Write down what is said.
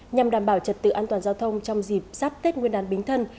nhằm đảm bảo trật tự an toàn giao thông trong dịp sắp tết nguyên đán bính thân